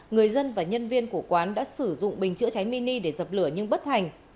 người dân và nhân viên của quán đã sử dụng bình chữa cháy mini để dập lửa nhưng bất hành